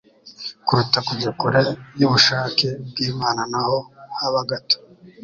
kuruta kujya kure y'ubushake bw'Imana naho haba gato.